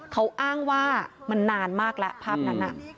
เขาอ้างว่ามันนานมากแล้วภาพนั้น